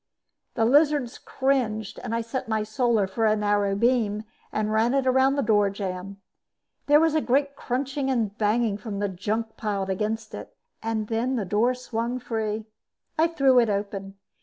The lizards cringed and I set my Solar for a narrow beam and ran it around the door jamb. There was a great crunching and banging from the junk piled against it, and then the door swung free. I threw it open.